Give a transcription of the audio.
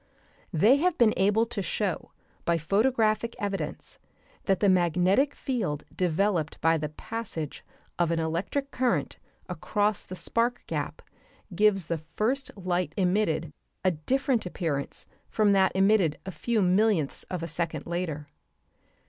They have been able to show by photographic evidence that the magnetic field developed by the passage of an electric current across the spark gap gives the first light emitted a different appearance from that emitted a few millionths of a second later.